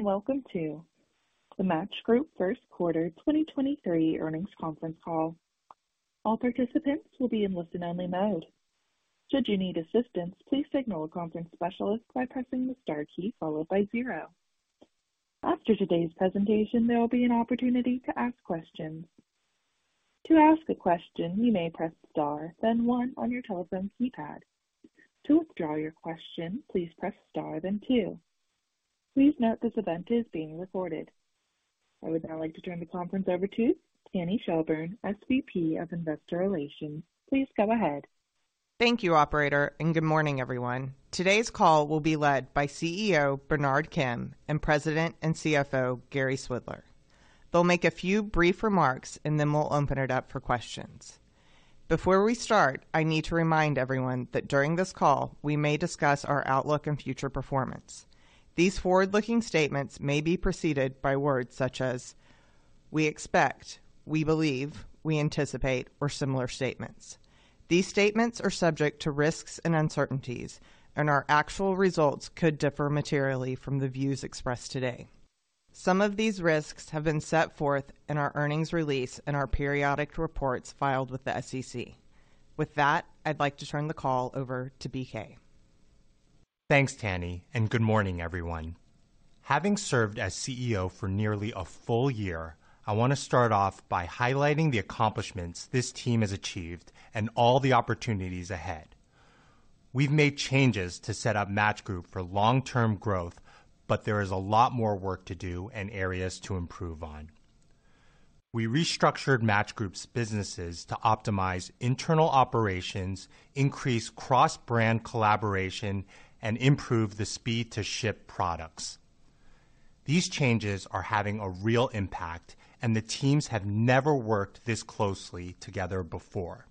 Welcome to Match Group First Quarter 2023 Earnings Conference Call. All participants will be in listen-only mode. Should you need assistance, please signal a conference specialist by pressing the star key followed by zero. After today's presentation, there will be an opportunity to ask questions. To ask a question, you may press star, then one on your telephone keypad. To withdraw your question, please press star, then two. Please note this event is being recorded. I would now like to turn the conference over to Tanny Shelburne, SVP of Investor Relations. Please go ahead. Thank you, operator, and good morning, everyone. Today's call will be led by CEO, Bernard Kim, and President and CFO, Gary Swidler. They'll make a few brief remarks, and then we'll open it up for questions. Before we start, I need to remind everyone that during this call, we may discuss our outlook and future performance. These forward-looking statements may be preceded by words such as "we expect," "we believe," "we anticipate," or similar statements. These statements are subject to risks and uncertainties, and our actual results could differ materially from the views expressed today. Some of these risks have been set forth in our earnings release and our periodic reports filed with the SEC. With that, I'd like to turn the call over to BK. Thanks, Tanny. Good morning, everyone. Having served as CEO for nearly a full-year, I wanna start off by highlighting the accomplishments this team has achieved and all the opportunities ahead. We've made changes to set up Match Group for long-term growth. There is a lot more work to do and areas to improve on. We restructured Match Group's businesses to optimize internal operations, increase cross-brand collaboration, and improve the speed to ship products. These changes are having a real impact. The teams have never worked this closely together before.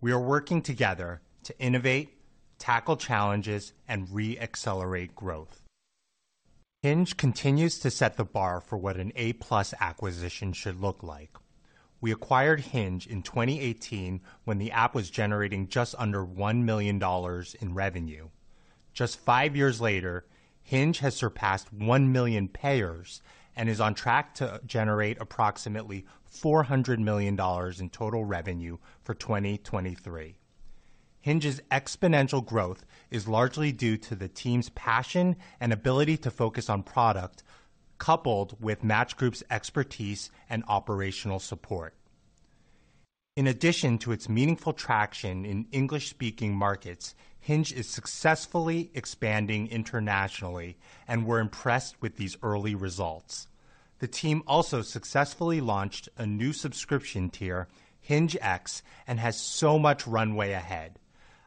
We are working together to innovate, tackle challenges, and re-accelerate growth. Hinge continues to set the bar for what an A-plus acquisition should look like. We acquired Hinge in 2018 when the app was generating just under $1 million in revenue. Just five years later, Hinge has surpassed one million payers and is on track to generate approximately $400 million in total revenue for 2023. Hinge's exponential growth is largely due to the team's passion and ability to focus on product, coupled with Match Group's expertise and operational support. In addition to its meaningful traction in English-speaking markets, Hinge is successfully expanding internationally. We're impressed with these early results. The team also successfully launched a new subscription tier, HingeX, and has so much runway ahead.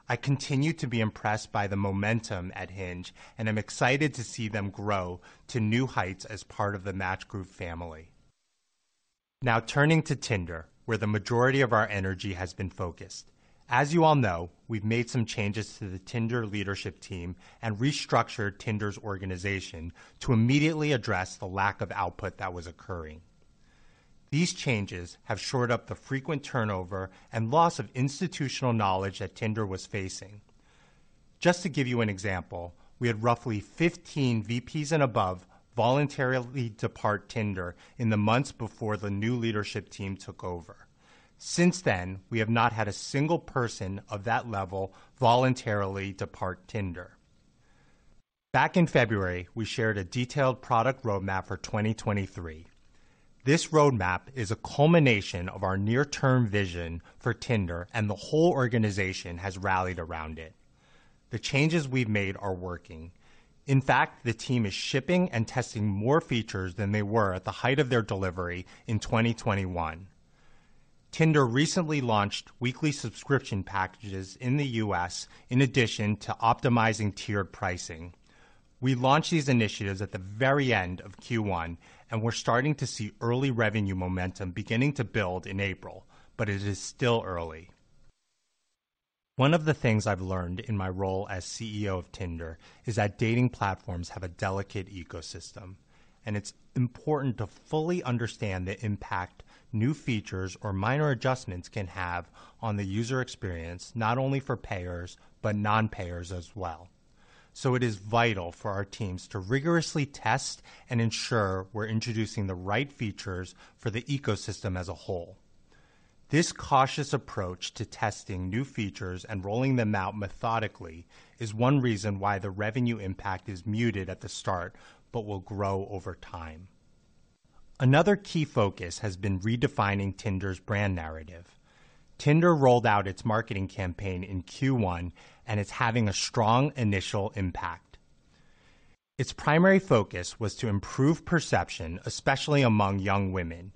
I continue to be impressed by the momentum at Hinge, and I'm excited to see them grow to new heights as part of the Match Group family. Now turning to Tinder, where the majority of our energy has been focused. As you all know, we've made some changes to the Tinder leadership team and restructured Tinder's organization to immediately address the lack of output that was occurring. These changes have shored up the frequent turnover and loss of institutional knowledge that Tinder was facing. Just to give you an example, we had roughly 15 VPs and above voluntarily depart Tinder in the months before the new leadership team took over. Since then, we have not had a single person of that level voluntarily depart Tinder. Back in February, we shared a detailed product roadmap for 2023. This roadmap is a culmination of our near-term vision for Tinder, and the whole organization has rallied around it. The changes we've made are working. In fact, the team is shipping and testing more features than they were at the height of their delivery in 2021. Tinder recently launched weekly subscription packages in the U.S. in addition to optimizing tiered pricing. We launched these initiatives at the very end of Q1, and we're starting to see early revenue momentum beginning to build in April, but it is still early. One of the things I've learned in my role as CEO of Tinder is that dating platforms have a delicate ecosystem, and it's important to fully understand the impact new features or minor adjustments can have on the user experience, not only for payers, but non-payers as well. It is vital for our teams to rigorously test and ensure we're introducing the right features for the ecosystem as a whole. This cautious approach to testing new features and rolling them out methodically is one reason why the revenue impact is muted at the start but will grow over time. Another key focus has been redefining Tinder's brand narrative. Tinder rolled out its marketing campaign in Q1 and it's having a strong initial impact. Its primary focus was to improve perception, especially among young women.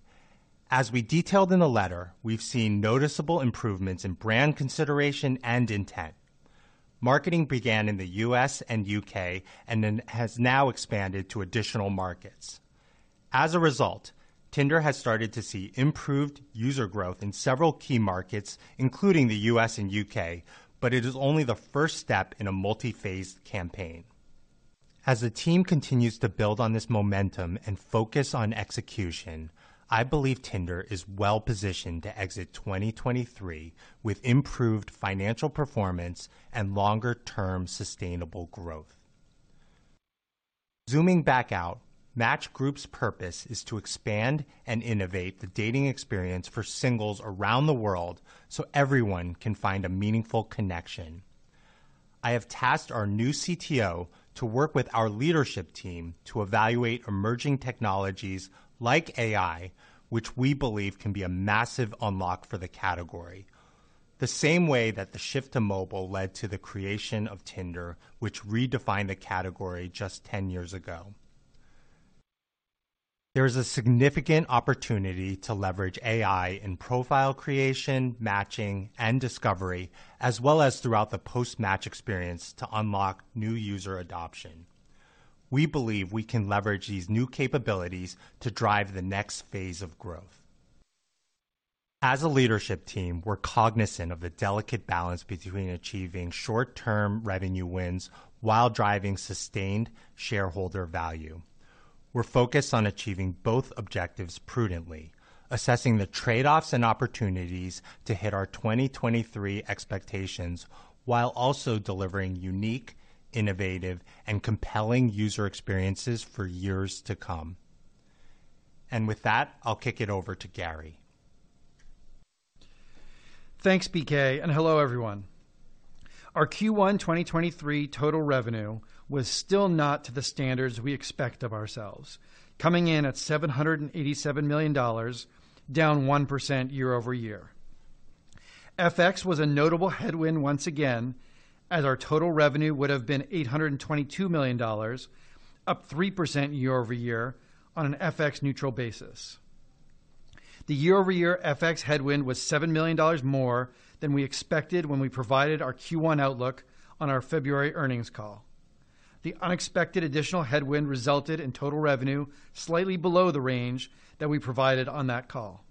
As we detailed in the letter, we've seen noticeable improvements in brand consideration and intent. Marketing began in the U.S. and U.K. and then has now expanded to additional markets. As a result, Tinder has started to see improved user growth in several key markets, including the U.S. and U.K., but it is only the first step in a multi-phased campaign. As the team continues to build on this momentum and focus on execution, I believe Tinder is well-positioned to exit 2023 with improved financial performance and longer-term sustainable growth. Zooming back out, Match Group's purpose is to expand and innovate the dating experience for singles around the world so everyone can find a meaningful connection. I have tasked our new CTO to work with our leadership team to evaluate emerging technologies like AI, which we believe can be a massive unlock for the category. The same way that the shift to mobile led to the creation of Tinder, which redefined the category just 10 years ago. There is a significant opportunity to leverage AI in profile creation, matching, and discovery, as well as throughout the post-match experience to unlock new user adoption. We believe we can leverage these new capabilities to drive the next phase of growth. As a leadership team, we're cognizant of the delicate balance between achieving short-term revenue wins while driving sustained shareholder value. We're focused on achieving both objectives prudently, assessing the trade-offs and opportunities to hit our 2023 expectations while also delivering unique, innovative, and compelling user experiences for years to come. With that, I'll kick it over to Gary. Thanks, BK. Hello, everyone. Our Q1 2023 total revenue was still not to the standards we expect of ourselves, coming in at $787 million, down 1% year-over-year. FX was a notable headwind once again, as our total revenue would have been $822 million, up 3% year-over-year on an FX-neutral basis. The year-over-year FX headwind was $7 million more than we expected when we provided our Q1 outlook on our February earnings call. The unexpected additional headwind resulted in total revenue slightly below the range that we provided on that call.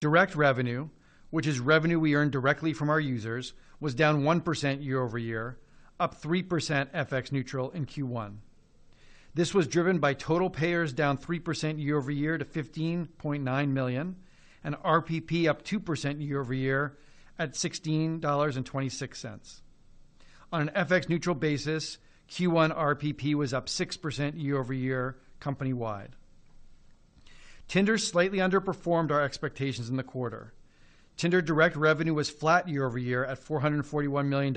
Direct revenue, which is revenue we earn directly from our users, was down 1% year-over-year, up 3% FX-neutral in Q1. This was driven by total payers down 3% year-over-year to $15.9 million. RPP up 2% year-over-year at $16.26. On FX-neutral basis, Q1 RPP was up 6% year-over-year company-wide. Tinder slightly underperformed our expectations in the quarter. Tinder direct revenue was flat year-over-year at $441 million,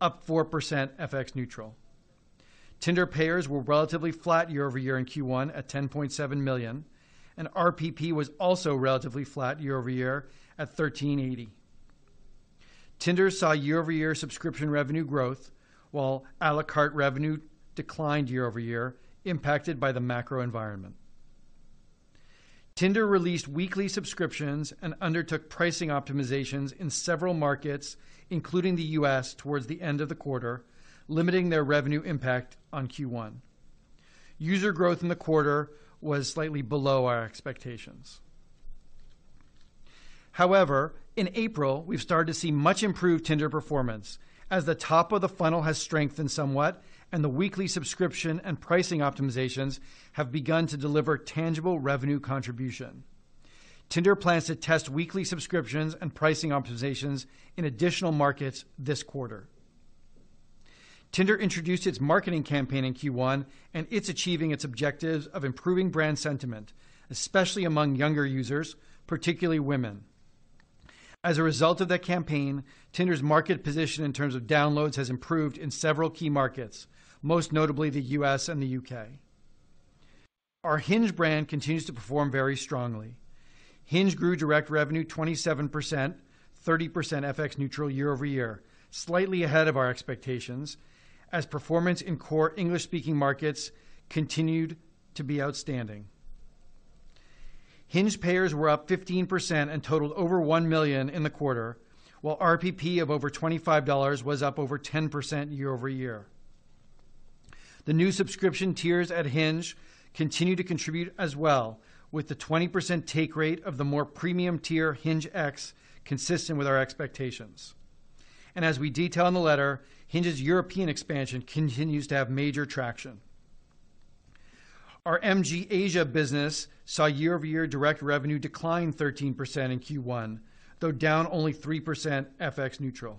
up 4% FX-neutral. Tinder payers were relatively flat year-over-year in Q1 at $10.7 million. RPP was also relatively flat year-over-year at $13.80. Tinder saw year-over-year subscription revenue growth, while à la carte revenue declined year-over-year, impacted by the macro environment. Tinder released weekly subscriptions and undertook pricing optimizations in several markets, including the U.S., towards the end of the quarter, limiting their revenue impact on Q1. User growth in the quarter was slightly below our expectations. However, in April, we've started to see much improved Tinder performance as the top of the funnel has strengthened somewhat and the weekly subscription and pricing optimizations have begun to deliver tangible revenue contribution. Tinder plans to test weekly subscriptions and pricing optimizations in additional markets this quarter. Tinder introduced its marketing campaign in Q1. It's achieving its objectives of improving brand sentiment, especially among younger users, particularly women. As a result of that campaign, Tinder's market position in terms of downloads has improved in several key markets, most notably the U.S. and the U.K. Our Hinge brand continues to perform very strongly. Hinge grew direct revenue 27%, 30% FX-neutral year-over-year, slightly ahead of our expectations as performance in core English-speaking markets continued to be outstanding. Hinge payers were up 15% and totaled over one million in the quarter, while RPP of over $25 was up over 10% year-over-year. The new subscription tiers at Hinge continue to contribute as well, with the 20% take rate of the more premium tier HingeX consistent with our expectations. As we detail in the letter, Hinge's European expansion continues to have major traction. Our MG Asia business saw year-over-year direct revenue decline 13% in Q1, though down only 3% FX-neutral.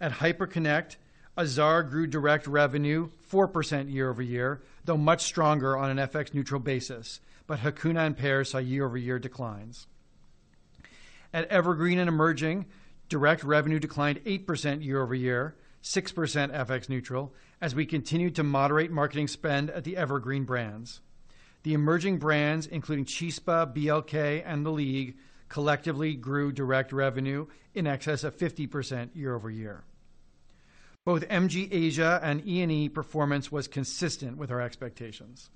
At Hyperconnect, Azar grew direct revenue 4% year-over-year, though much stronger on an FX-neutral basis. Hakuna and Pairs saw year-over-year declines. At Evergreen & Emerging, direct revenue declined 8% year-over-year, 6% FX-neutral as we continued to moderate marketing spend at the Evergreen brands. The emerging brands, including Chispa, BLK, and The League, collectively grew direct revenue in excess of 50% year-over-year. Both MG Asia and E&E performance was consistent with our expectations.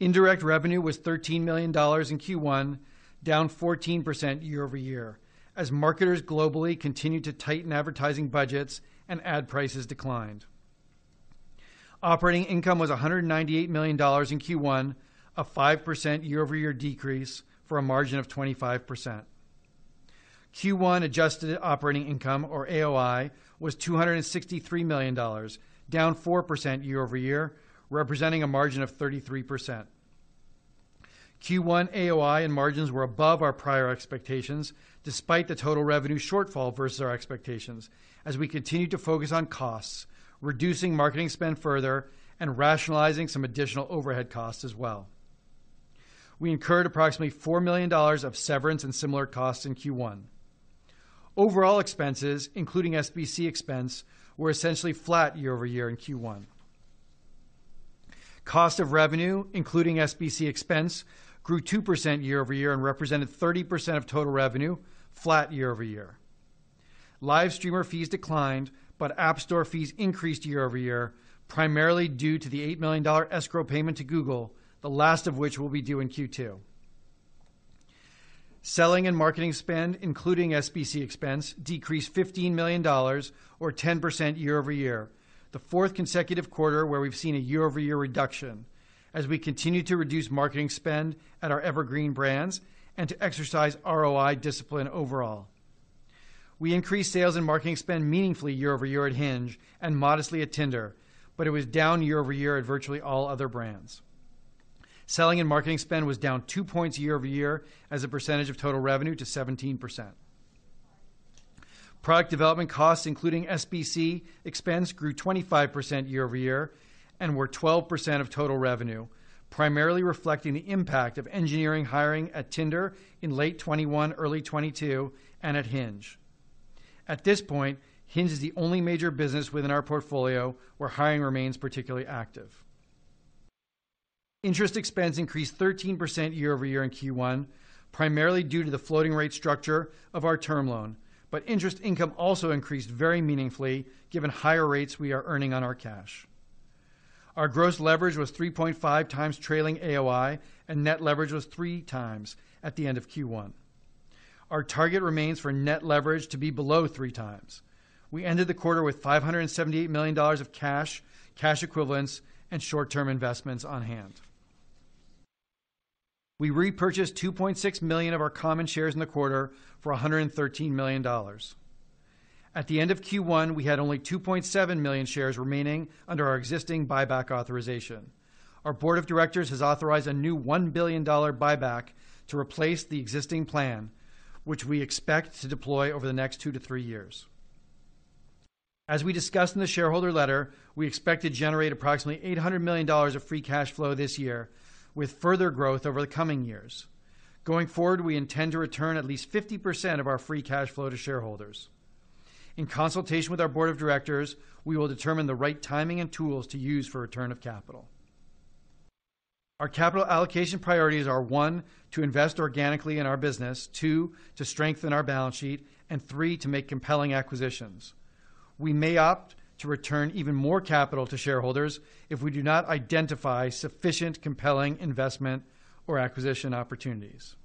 Indirect revenue was $13 million in Q1, down 14% year-over-year as marketers globally continued to tighten advertising budgets and ad prices declined. Operating income was $198 million in Q1, a 5% year-over-year decrease for a margin of 25%. Q1 adjusted operating income, or AOI, was $263 million, down 4% year-over-year, representing a margin of 33%. Q1 AOI and margins were above our prior expectations despite the total revenue shortfall versus our expectations as we continue to focus on costs, reducing marketing spend further and rationalizing some additional overhead costs as well. We incurred approximately $4 million of severance and similar costs in Q1. Overall expenses, including SBC expense, were essentially flat year-over-year in Q1. Cost of revenue, including SBC expense, grew 2% year-over-year and represented 30% of total revenue flat year-over-year. Live streamer fees declined, but App Store fees increased year-over-year, primarily due to the $8 million escrow payment to Google, the last of which will be due in Q2. Selling and marketing spend, including SBC expense, decreased $15 million or 10% year-over-year. The fourth consecutive quarter where we've seen a year-over-year reduction as we continue to reduce marketing spend at our evergreen brands and to exercise ROI discipline overall. We increased sales and marketing spend meaningfully year-over-year at Hinge and modestly at Tinder, but it was down year-over-year at virtually all other brands. Selling and marketing spend was down two points year-over-year as a percentage of total revenue to 17%. Product development costs, including SBC expense, grew 25% year-over-year and were 12% of total revenue, primarily reflecting the impact of engineering hiring at Tinder in late 2021, early 2022, and at Hinge. At this point, Hinge is the only major business within our portfolio where hiring remains particularly active. Interest expense increased 13% year-over-year in Q1, primarily due to the floating rate structure of our term loan. Interest income also increased very meaningfully given higher rates we are earning on our cash. Our gross leverage was 3.5x trailing AOI and net leverage was 3x at the end of Q1. Our target remains for net leverage to be below 3x. We ended the quarter with $578 million of cash equivalents, and short-term investments on hand. We repurchased 2.6 million of our common shares in the quarter for $113 million. At the end of Q1, we had only 2.7 million shares remaining under our existing buyback authorization. Our board of directors has authorized a new $1 billion buyback to replace the existing plan, which we expect to deploy over the next 2-3 years. As we discussed in the shareholder letter, we expect to generate approximately $800 million of free cash flow this year with further growth over the coming years. Going forward, we intend to return at least 50% of our free cash flow to shareholders. In consultation with our board of directors, we will determine the right timing and tools to use for return of capital. Our capital allocation priorities are, one, to invest organically in our business. Two, to strengthen our balance sheet. Three, to make compelling acquisitions. We may opt to return even more capital to shareholders if we do not identify sufficient compelling investment or acquisition opportunities.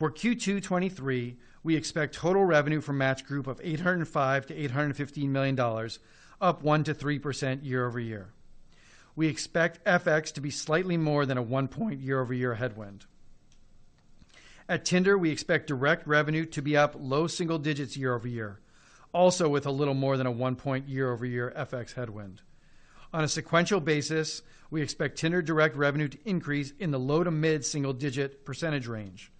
For Q2 2023, we expect total revenue from Match Group of $805 million-$850 million, up 1%-3% year-over-year. We expect FX to be slightly more than a one-point year-over-year headwind. At Tinder, we expect direct revenue to be up low single digits year-over-year, also with a little more than a one-point year-over-year FX headwind. On a sequential basis, we expect Tinder direct revenue to increase in the low to mid single-digit percentage range.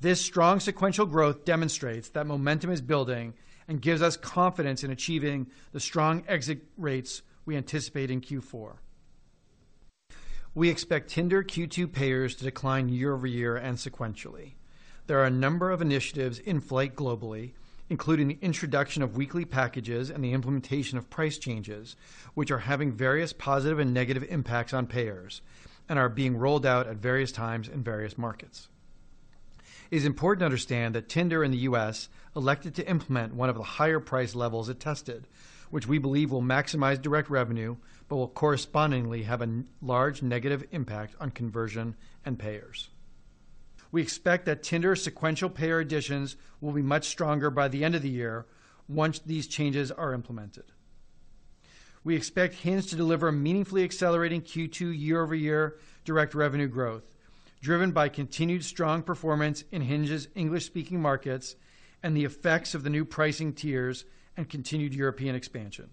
This strong sequential growth demonstrates that momentum is building and gives us confidence in achieving the strong exit rates we anticipate in Q4. We expect Tinder Q2 payers to decline year-over-year and sequentially. There are a number of initiatives in flight globally, including the introduction of weekly packages and the implementation of price changes, which are having various positive and negative impacts on payers and are being rolled out at various times in various markets. It is important to understand that Tinder in the U.S. elected to implement one of the higher price levels it tested, which we believe will maximize direct revenue but will correspondingly have a large negative impact on conversion and payers. We expect that Tinder sequential payer additions will be much stronger by the end of the year once these changes are implemented. We expect Hinge to deliver meaningfully accelerating Q2 year-over-year direct revenue growth, driven by continued strong performance in Hinge's English-speaking markets and the effects of the new pricing tiers and continued European expansion.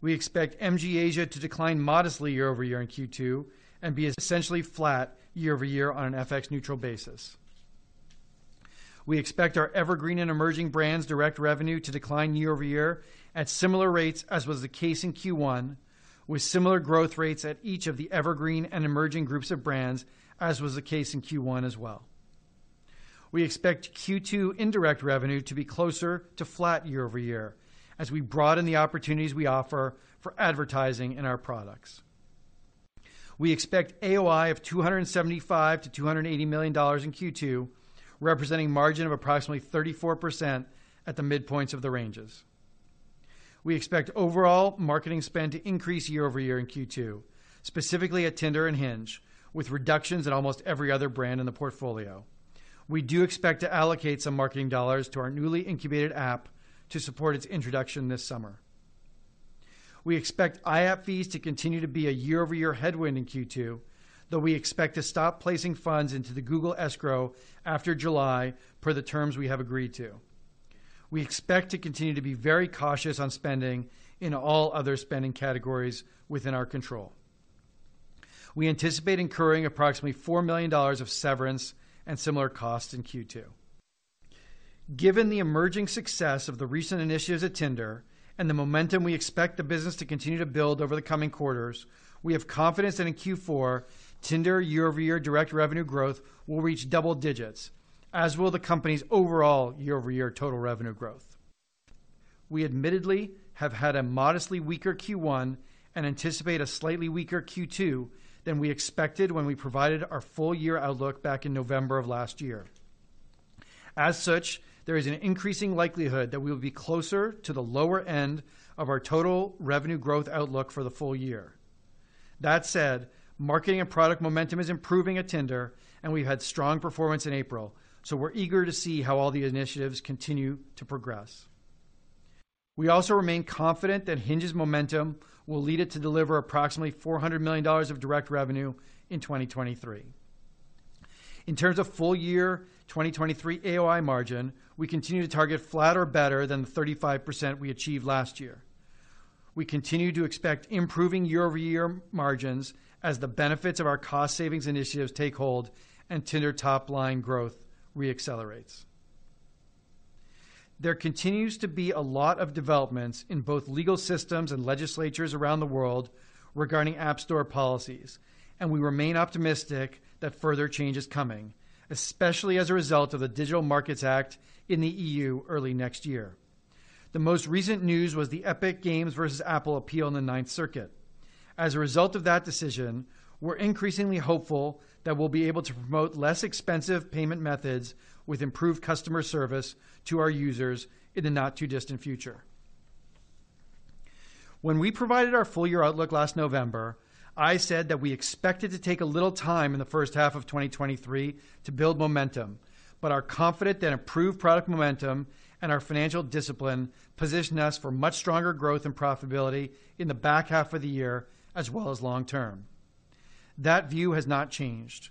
We expect MG Asia to decline modestly year-over-year in Q2 and be essentially flat year-over-year on an FX-neutral basis. We expect our evergreen and emerging brands direct revenue to decline year-over-year at similar rates as was the case in Q1, with similar growth rates at each of the evergreen and emerging groups of brands as was the case in Q1 as well. We expect Q2 indirect revenue to be closer to flat year-over-year as we broaden the opportunities we offer for advertising in our products. We expect AOI of $275 million-$280 million in Q2, representing margin of approximately 34% at the midpoints of the ranges. We expect overall marketing spend to increase year-over-year in Q2, specifically at Tinder and Hinge, with reductions in almost every other brand in the portfolio. We do expect to allocate some marketing dollars to our newly incubated app to support its introduction this summer. We expect IAP fees to continue to be a year-over-year headwind in Q2, though we expect to stop placing funds into the Google escrow after July per the terms we have agreed to. We expect to continue to be very cautious on spending in all other spending categories within our control. We anticipate incurring approximately $4 million of severance and similar costs in Q2. Given the emerging success of the recent initiatives at Tinder and the momentum we expect the business to continue to build over the coming quarters, we have confidence that in Q4, Tinder year-over-year direct revenue growth will reach double digits, as will the company's overall year-over-year total revenue growth. We admittedly have had a modestly weaker Q1 and anticipate a slightly weaker Q2 than we expected when we provided our full-year outlook back in November of last year. There is an increasing likelihood that we will be closer to the lower end of our total revenue growth outlook for the full-year. Marketing and product momentum is improving at Tinder and we've had strong performance in April, so we're eager to see how all the initiatives continue to progress. We also remain confident that Hinge's momentum will lead it to deliver approximately $400 million of direct revenue in 2023. In terms of full-year 2023 AOI margin, we continue to target flat or better than the 35% we achieved last year. We continue to expect improving year-over-year margins as the benefits of our cost savings initiatives take hold and Tinder top line growth re-accelerates. There continues to be a lot of developments in both legal systems and legislatures around the world regarding App Store policies, and we remain optimistic that further change is coming, especially as a result of the Digital Markets Act in the E.U early next year. The most recent news was the Epic Games versus Apple appeal in the Ninth Circuit. As a result of that decision, we're increasingly hopeful that we'll be able to promote less expensive payment methods with improved customer service to our users in the not-too-distant future. When we provided our full-year outlook last November, I said that we expected to take a little time in the first half of 2023 to build momentum, but are confident that improved product momentum and our financial discipline position us for much stronger growth and profitability in the back half of the year as well as long term. That view has not changed.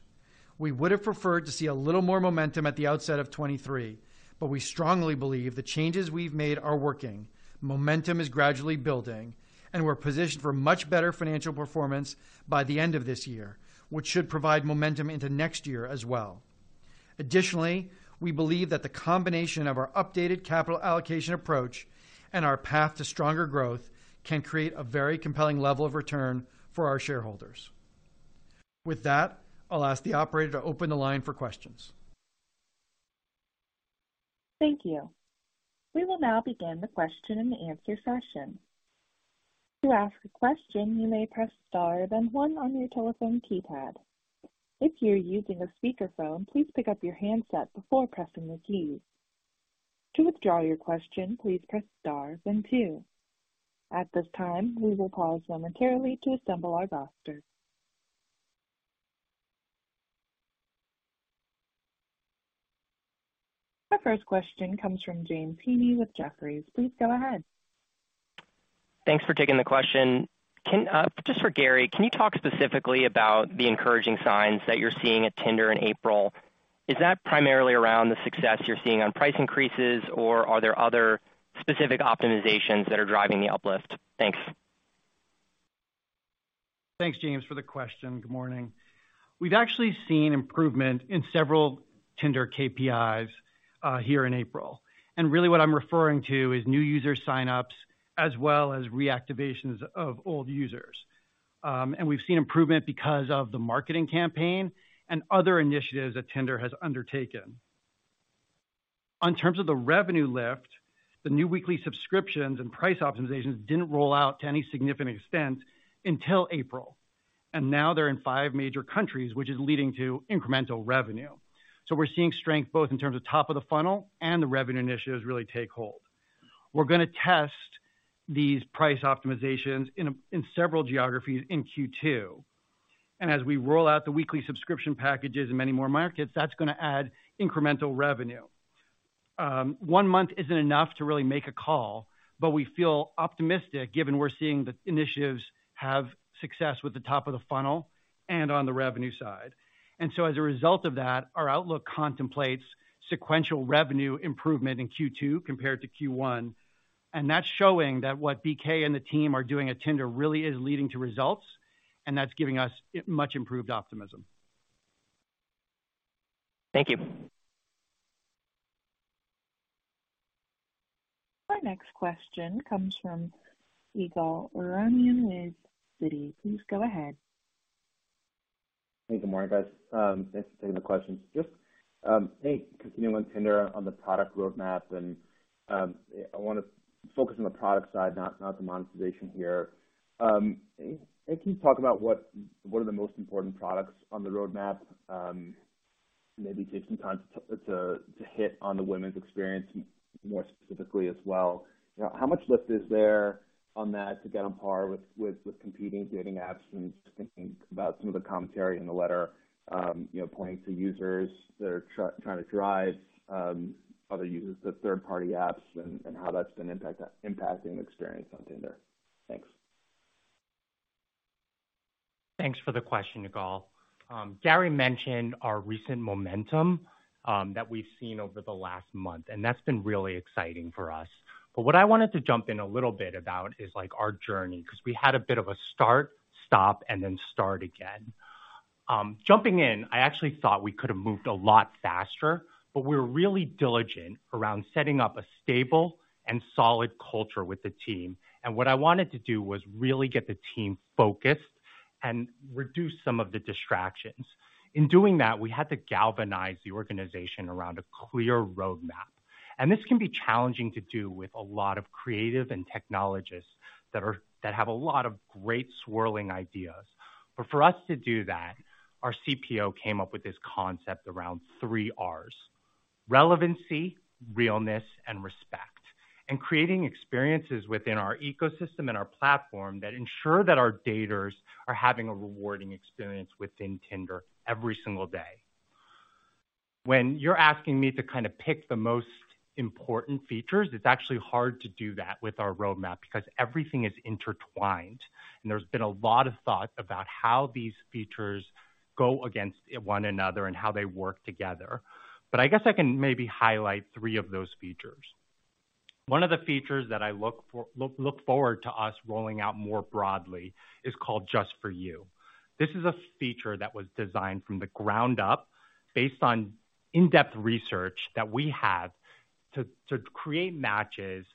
We would have preferred to see a little more momentum at the outset of 23, but we strongly believe the changes we've made are working. Momentum is gradually building and we're positioned for much better financial performance by the end of this year, which should provide momentum into next year as well. Additionally, we believe that the combination of our updated capital allocation approach and our path to stronger growth can create a very compelling level of return for our shareholders. With that, I'll ask the operator to open the line for questions. Thank you. We will now begin the question-and-answer session. To ask a question, you may press star then one on your telephone keypad. If you're using a speakerphone, please pick up your handset before pressing the keys. To withdraw your question, please press star then two. At this time, we will pause momentarily to assemble our roster. Our first question comes from James Heaney with Jefferies. Please go ahead. Thanks for taking the question. Just for Gary, can you talk specifically about the encouraging signs that you're seeing at Tinder in April? Is that primarily around the success you're seeing on price increases, or are there other specific optimizations that are driving the uplift? Thanks. Thanks, James, for the question. Good morning. We've actually seen improvement in several Tinder KPIs here in April. Really what I'm referring to is new user sign-ups as well as reactivations of old users. We've seen improvement because of the marketing campaign and other initiatives that Tinder has undertaken. On terms of the revenue lift, the new weekly subscriptions and price optimizations didn't roll out to any significant extent until April. Now they're in five major countries, which is leading to incremental revenue. So we're seeing strength both in terms of top of the funnel and the revenue initiatives really take hold. We're gonna test these price optimizations in several geographies in Q2. As we roll out the weekly subscription packages in many more markets, that's gonna add incremental revenue. One month isn't enough to really make a call, but we feel optimistic given we're seeing the initiatives have success with the top of the funnel and on the revenue side. As a result of that, our outlook contemplates sequential revenue improvement in Q2 compared to Q1. That's showing that what BK and the team are doing at Tinder really is leading to results, and that's giving us much improved optimism. Thank you. Our next question comes from Ygal Arounian with Citi. Please go ahead. Hey, good morning, guys. Thanks for taking the questions. Just, maybe continuing on Tinder on the product roadmap and, I wanna focus on the product side, not the monetization here. Can you talk about what are the most important products on the roadmap? Maybe take some time to hit on the women's experience more specifically as well. You know, how much lift is there on that to get on par with competing dating apps? Just thinking about some of the commentary in the letter, you know, pointing to users that are trying to drive other users to third-party apps and how that's been impacting the experience on Tinder. Thanks. Thanks for the question, Ygal. Gary mentioned our recent momentum, that we've seen over the last month, that's been really exciting for us. What I wanted to jump in a little bit about is, like, our journey, because we had a bit of a start, stop, and then start again. Jumping in, I actually thought we could have moved a lot faster, but we're really diligent around setting up a stable and solid culture with the team. What I wanted to do was really get the team focused and reduce some of the distractions. In doing that, we had to galvanize the organization around a clear roadmap. This can be challenging to do with a lot of creative and technologists that have a lot of great swirling ideas. For us to do that, our CPO came up with this concept around three Rs: relevancy, realness, and respect. Creating experiences within our ecosystem and our platform that ensure that our daters are having a rewarding experience within Tinder every single day. When you're asking me to kind of pick the most important features, it's actually hard to do that with our roadmap because everything is intertwined and there's been a lot of thought about how these features go against one another and how they work together. I guess I can maybe highlight three of those features. One of the features that I look forward to us rolling out more broadly is called Just For You. This is a feature that was designed from the ground up based on in-depth research that we have to create matches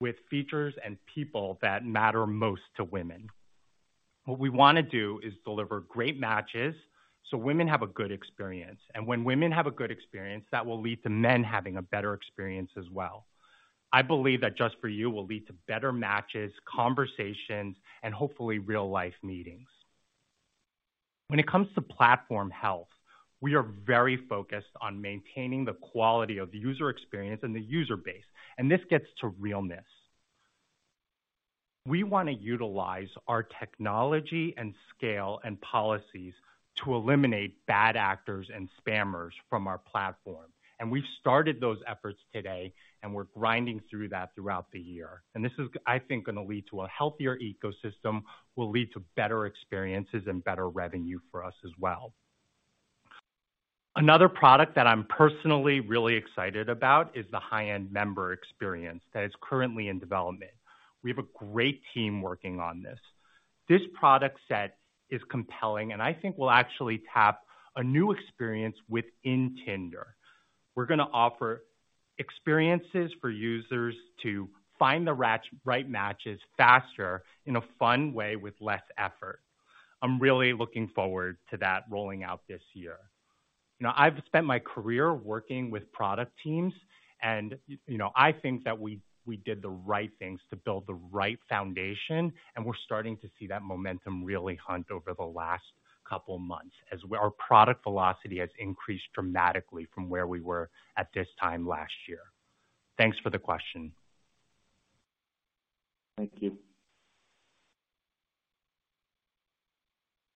with features and people that matter most to women. What we want to do is deliver great matches so women have a good experience. When women have a good experience, that will lead to men having a better experience as well. I believe that Just For You will lead to better matches, conversations, and hopefully real life meetings. When it comes to platform health, we are very focused on maintaining the quality of the user experience and the user base, and this gets to realness. We want to utilize our technology and scale and policies to eliminate bad actors and spammers from our platform. We've started those efforts today, and we're grinding through that throughout the year. This is, I think, gonna lead to a healthier ecosystem, will lead to better experiences and better revenue for us as well. Another product that I'm personally really excited about is the high-end member experience that is currently in development. We have a great team working on this. This product set is compelling, and I think we'll actually tap a new experience within Tinder. We're gonna offer experiences for users to find the right matches faster in a fun way with less effort. I'm really looking forward to that rolling out this year. I've spent my career working with product teams, and you know, I think that we did the right things to build the right foundation, and we're starting to see that momentum really hunt over the last couple of months, as well. Our product velocity has increased dramatically from where we were at this time last year. Thanks for the question. Thank you.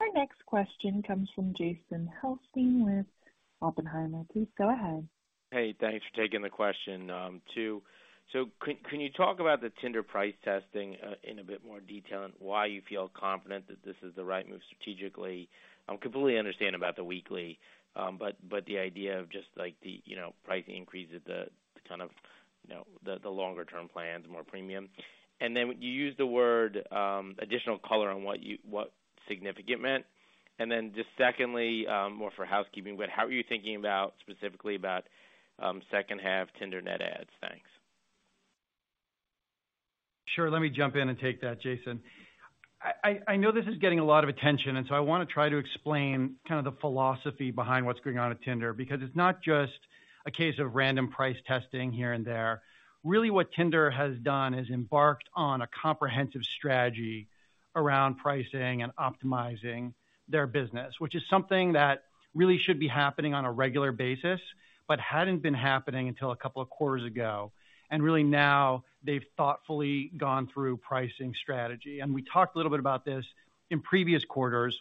Our next question comes from Jason Helfstein with Oppenheimer. Please go ahead. Hey, thanks for taking the question, too. Can you talk about the Tinder price testing in a bit more detail and why you feel confident that this is the right move strategically? I completely understand about the weekly, but the idea of just like the, you know, price increase is the ton of, you know, the longer term plans, more premium. You used the word additional color on what significant meant. Just secondly, more for housekeeping, how are you thinking about, specifically about, second half Tinder net ads? Thanks. Sure. Let me jump in and take that, Jason. I know this is getting a lot of attention, I want to try to explain kind of the philosophy behind what's going on at Tinder, because it's not just a case of random price testing here and there. Really, what Tinder has done is embarked on a comprehensive strategy around pricing and optimizing their business, which is something that really should be happening on a regular basis, but hadn't been happening until a couple of quarters ago. Really now they've thoughtfully gone through pricing strategy. We talked a little bit about this in previous quarters,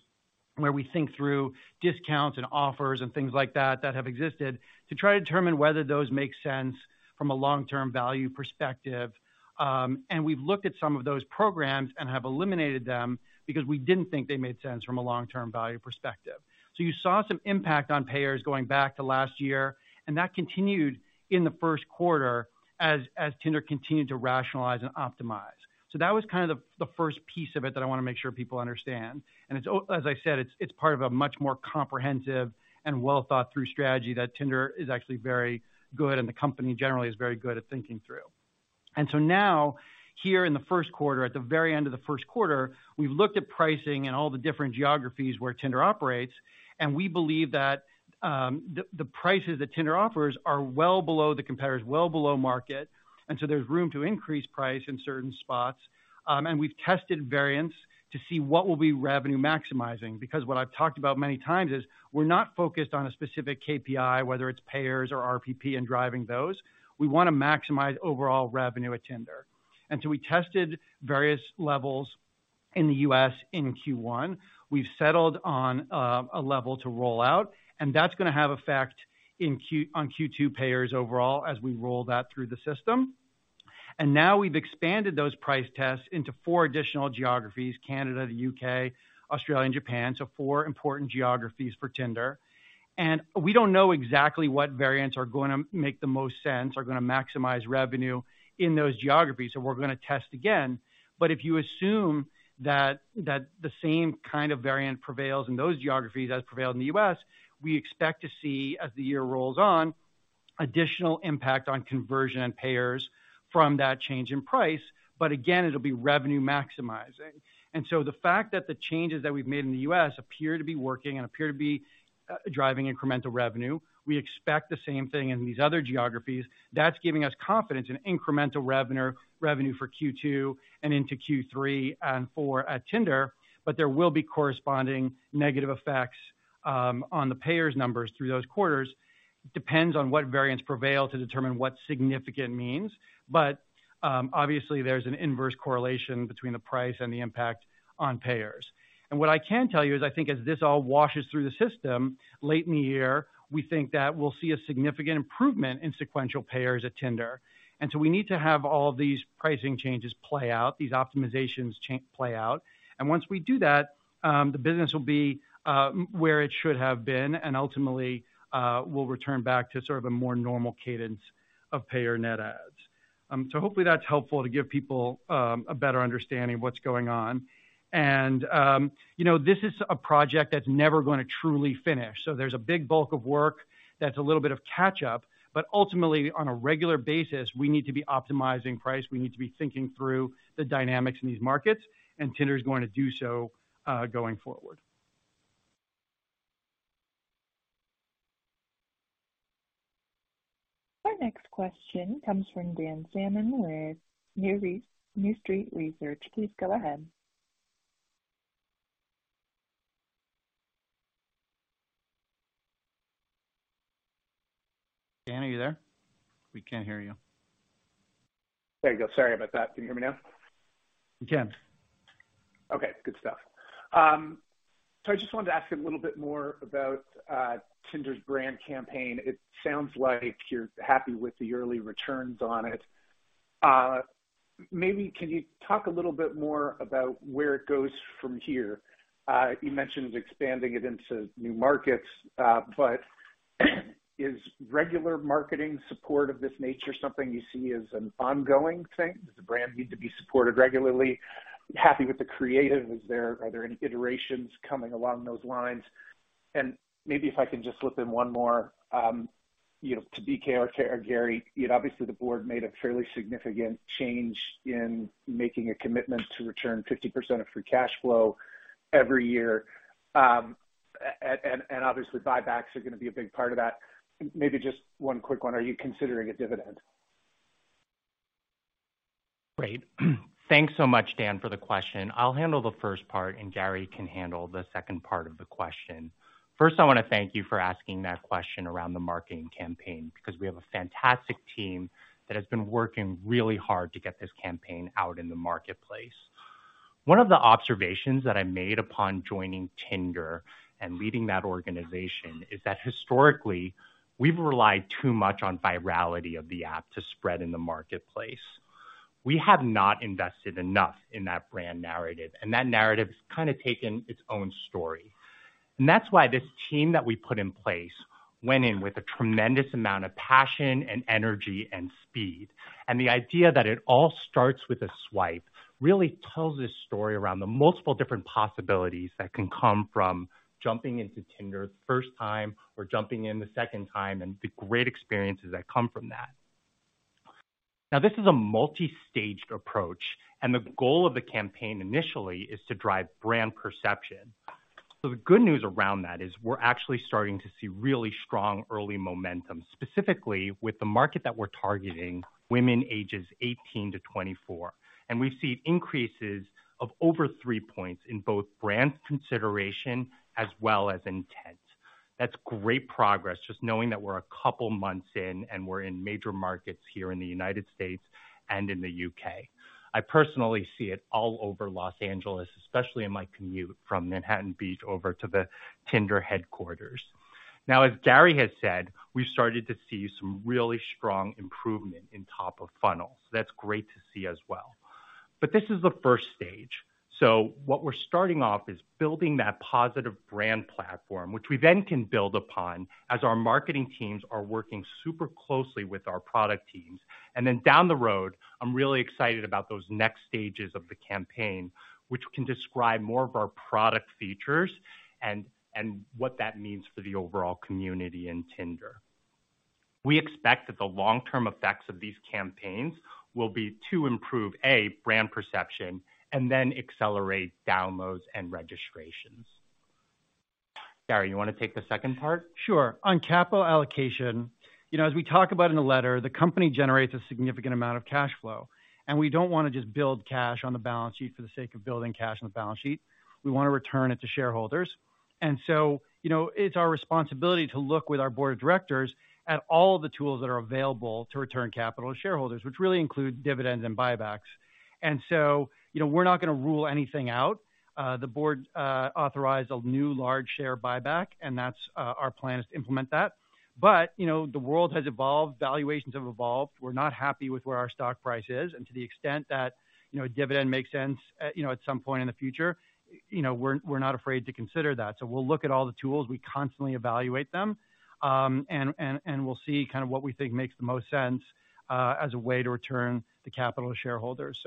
where we think through discounts and offers and things like that that have existed to try to determine whether those make sense from a long-term value perspective. We've looked at some of those programs and have eliminated them because we didn't think they made sense from a long-term value perspective. You saw some impact on payers going back to last year, and that continued in the first quarter as Tinder continued to rationalize and optimize. That was kind of the first piece of it that I want to make sure people understand. It's as I said, it's part of a much more comprehensive and well-thought through strategy that Tinder is actually very good and the company generally is very good at thinking through. Now, here in the first quarter, at the very end of the first quarter, we've looked at pricing in all the different geographies where Tinder operates, and we believe that the prices that Tinder offers are well below the competitors, well below market. There's room to increase price in certain spots. We've tested variants to see what will be revenue maximizing, because what I've talked about many times is we're not focused on a specific KPI, whether it's payers or RPP and driving those. We want to maximize overall revenue at Tinder. We tested various levels in the U.S. in Q1. We've settled on a level to roll out, and that's gonna have effect on Q2 payers overall as we roll that through the system. Now we've expanded those price tests into four additional geographies, Canada, the U.K., Australia, and Japan. Four important geographies for Tinder. We don't know exactly what variants are gonna make the most sense, are gonna maximize revenue in those geographies. We're gonna test again. If you assume that the same kind of variant prevails in those geographies as prevailed in the U.S., we expect to see, as the year rolls on, additional impact on conversion and payers from that change in price. Again, it'll be revenue maximizing. The fact that the changes that we've made in the U.S. appear to be working and appear to be driving incremental revenue, we expect the same thing in these other geographies. That's giving us confidence in incremental revenue for Q2 and into Q3 and for Tinder. There will be corresponding negative effects on the payers numbers through those quarters. Depends on what variants prevail to determine what significant means. Obviously, there's an inverse correlation between the price and the impact on payers. What I can tell you is, I think as this all washes through the system late in the year, we think that we'll see a significant improvement in sequential payers at Tinder. We need to have all these pricing changes play out, these optimizations play out. Once we do that, the business will be where it should have been. Ultimately, we'll return back to sort of a more normal cadence of payer net adds. Hopefully that's helpful to give people a better understanding of what's going on. You know, this is a project that's never gonna truly finish. There's a big bulk of work that's a little bit of catch up. Ultimately, on a regular basis, we need to be optimizing price. We need to be thinking through the dynamics in these markets. Tinder is gonna do so going forward. Our next question comes from Dan Salmon with New Street Research. Please go ahead. Dan, are you there? We can't hear you. There you go. Sorry about that. Can you hear me now? We can. Okay, good stuff. I just wanted to ask a little bit more about Tinder's brand campaign. It sounds like you're happy with the yearly returns on it. Maybe can you talk a little bit more about where it goes from here? You mentioned expanding it into new markets, is regular marketing support of this nature something you see as an ongoing thing? Does the brand need to be supported regularly? Happy with the creative. Are there any iterations coming along those lines? Maybe if I can just slip in one more, you know, to BK or Gary. You know, obviously the board made a fairly significant change in making a commitment to return 50% of free cash flow every year. Obviously, buybacks are gonna be a big part of that. Maybe just one quick one. Are you considering a dividend? Great. Thanks so much, Dan, for the question. I'll handle the first part, and Gary can handle the second part of the question. First, I wanna thank you for asking that question around the marketing campaign, because we have a fantastic team that has been working really hard to get this campaign out in the marketplace. One of the observations that I made upon joining Tinder and leading that organization is that historically, we've relied too much on virality of the app to spread in the marketplace. We have not invested enough in that brand narrative, and that narrative's kinda taken its own story. That's why this team that we put in place went in with a tremendous amount of passion and energy and speed. The idea that it all starts with a swipe really tells a story around the multiple different possibilities that can come from jumping into Tinder the first time or jumping in the second time, and the great experiences that come from that. This is a multi-staged approach, and the goal of the campaign initially is to drive brand perception. The good news around that is we're actually starting to see really strong early momentum, specifically with the market that we're targeting, women ages 18-24. We've seen increases of over three points in both brand consideration as well as intent. That's great progress, just knowing that we're a couple months in and we're in major markets here in the U.S. and in the U.K. I personally see it all over L.A., especially in my commute from Manhattan Beach over to the Tinder headquarters. Now, as Gary has said, we've started to see some really strong improvement in top of funnel. That's great to see as well. This is the first stage. What we're starting off is building that positive brand platform, which we then can build upon as our marketing teams are working super closely with our product teams. Down the road, I'm really excited about those next stages of the campaign, which can describe more of our product features and what that means for the overall community in Tinder. We expect that the long-term effects of these campaigns will be to improve, A, brand perception and then accelerate downloads and registrations. Gary, you wanna take the second part? Sure. On capital allocation, you know, as we talk about in the letter, the company generates a significant amount of cash flow, we don't wanna just build cash on the balance sheet for the sake of building cash on the balance sheet. We wanna return it to shareholders. You know, it's our responsibility to look with our board of directors at all of the tools that are available to return capital to shareholders, which really include dividends and buybacks. You know, we're not gonna rule anything out. The board authorized a new large share buyback, and that's our plan is to implement that. You know, the world has evolved, valuations have evolved. We're not happy with where our stock price is, to the extent that, you know, a dividend makes sense, you know, at some point in the future. You know, we're not afraid to consider that. We'll look at all the tools. We constantly evaluate them, and we'll see kind of what we think makes the most sense as a way to return the capital to shareholders.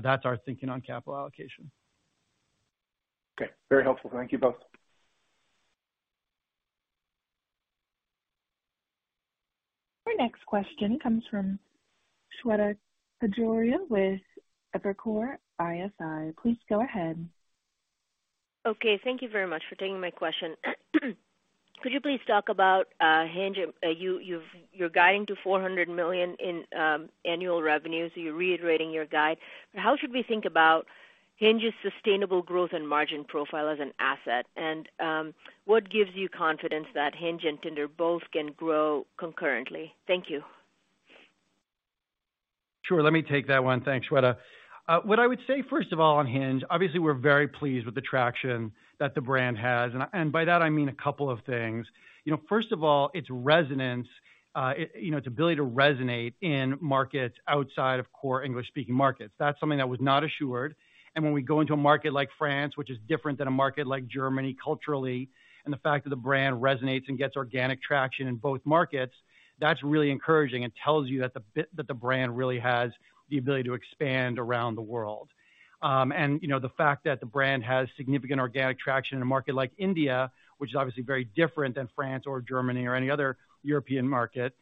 That's our thinking on capital allocation. Okay. Very helpful. Thank you both. Our next question comes from Shweta Khajuria with Evercore ISI. Please go ahead. Okay, thank you very much for taking my question. Could you please talk about Hinge? you're guiding to $400 million in annual revenue, so you're reiterating your guide. How should we think about Hinge's sustainable growth and margin profile as an asset? What gives you confidence that Hinge and Tinder both can grow concurrently? Thank you. Sure. Let me take that one. Thanks, Shweta. What I would say, first of all, on Hinge, obviously, we're very pleased with the traction that the brand has. By that I mean a couple of things. You know, first of all, its resonance, it, you know, its ability to resonate in markets outside of core English-speaking markets. That's something that was not assured. When we go into a market like France, which is different than a market like Germany culturally, and the fact that the brand resonates and gets organic traction in both markets, that's really encouraging and tells you that the brand really has the ability to expand around the world. You know, the fact that the brand has significant organic traction in a market like India, which is obviously very different than France or Germany or any other European market,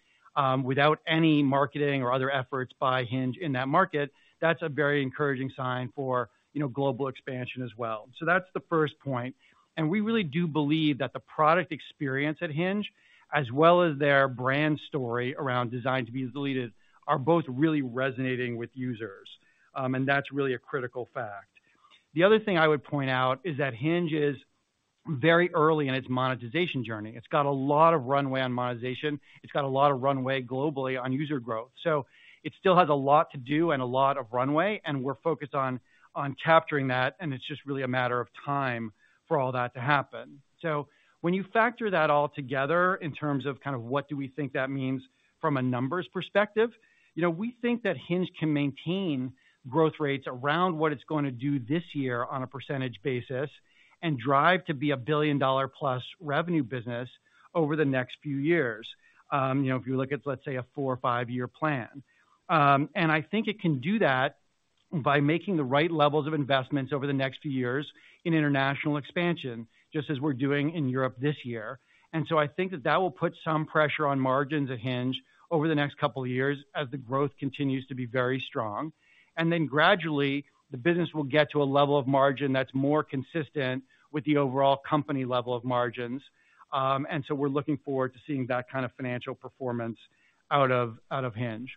without any marketing or other efforts by Hinge in that market, that's a very encouraging sign for, you know, global expansion as well. That's the first point. We really do believe that the product experience at Hinge, as well as their brand story around Designed to Be Deleted are both really resonating with users. That's really a critical fact. The other thing I would point out is that Hinge is very early in its monetization journey. It's got a lot of runway on monetization. It's got a lot of runway globally on user growth. It still has a lot to do and a lot of runway, and we're focused on capturing that, and it's just really a matter of time for all that to happen. When you factor that all together in terms of kind of what do we think that means from a numbers perspective, you know, we think that Hinge can maintain growth rates around what it's gonna do this year on a percentage basis and drive to be a billion-dollar plus revenue business over the next few years. You know, if you look at, let's say, a four or five-year plan. I think it can do that by making the right levels of investments over the next few years in international expansion, just as we're doing in Europe this year. I think that that will put some pressure on margins at Hinge over the next couple of years as the growth continues to be very strong. Gradually, the business will get to a level of margin that's more consistent with the overall company level of margins. We're looking forward to seeing that kind of financial performance out of Hinge.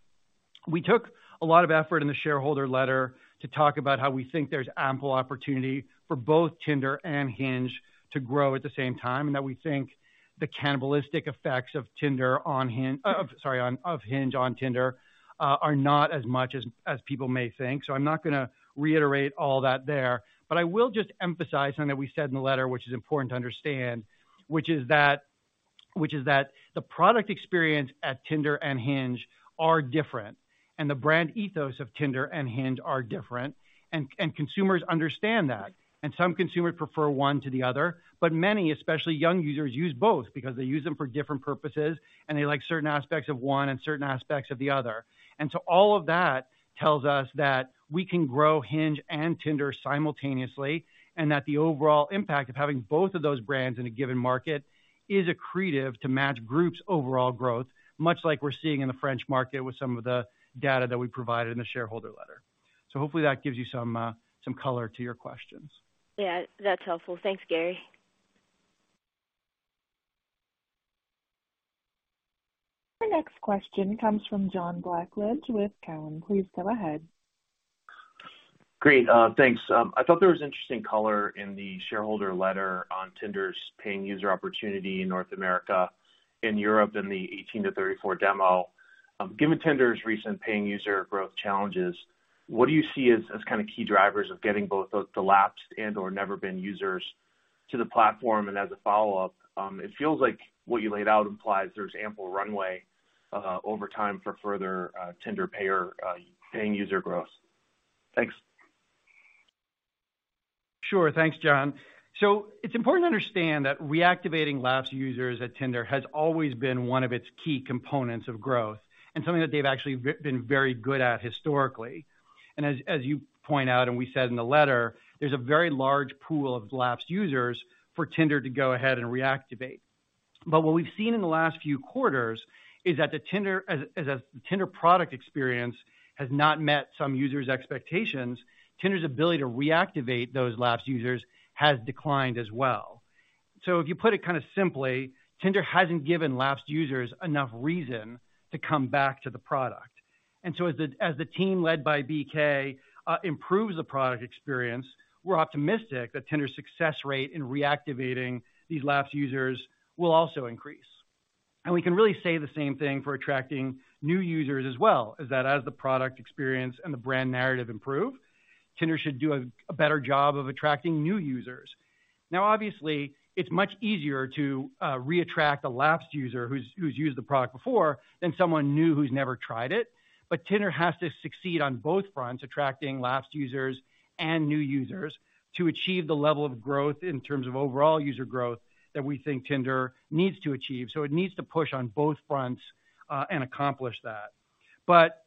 We took a lot of effort in the shareholder letter to talk about how we think there's ample opportunity for both Tinder and Hinge to grow at the same time, and that we think the cannibalistic effects of Hinge on Tinder are not as much as people may think. I'm not gonna reiterate all that there. I will just emphasize something that we said in the letter which is important to understand, which is that the product experience at Tinder and Hinge are different, and the brand ethos of Tinder and Hinge are different. Consumers understand that. Some consumers prefer one to the other, but many, especially young users, use both because they use them for different purposes, and they like certain aspects of one and certain aspects of the other. All of that tells us that we can grow Hinge and Tinder simultaneously, and that the overall impact of having both of those brands in a given market is accretive to Match Group's overall growth, much like we're seeing in the French market with some of the data that we provided in the shareholder letter. Hopefully that gives you some some color to your questions. Yeah, that's helpful. Thanks, Gary. Our next question comes from John Blackledge with Cowen. Please go ahead. Great. Thanks. I thought there was interesting color in the shareholder letter on Tinder's paying user opportunity in North America and Europe in the 18-34 demo. Given Tinder's recent paying user growth challenges, what do you see as kind of key drivers of getting both the lapsed and/or never-been users to the platform? As a follow-up, it feels like what you laid out implies there's ample runway over time for further Tinder payer paying user growth. Thanks. Sure. Thanks, John. It's important to understand that reactivating lapsed users at Tinder has always been one of its key components of growth and something that they've actually been very good at historically. As you point out and we said in the letter, there's a very large pool of lapsed users for Tinder to go ahead and reactivate. What we've seen in the last few quarters is that as a Tinder product experience has not met some users' expectations, Tinder's ability to reactivate those lapsed users has declined as well. If you put it kind of simply, Tinder hasn't given lapsed users enough reason to come back to the product. As the team led by BK improves the product experience, we're optimistic that Tinder's success rate in reactivating these lapsed users will also increase. We can really say the same thing for attracting new users as well, is that as the product experience and the brand narrative improve, Tinder should do a better job of attracting new users. Now, obviously, it's much easier to re-attract a lapsed user who's used the product before than someone new who's never tried it. Tinder has to succeed on both fronts, attracting lapsed users and new users to achieve the level of growth in terms of overall user growth that we think Tinder needs to achieve. It needs to push on both fronts and accomplish that.